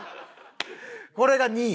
これが２位？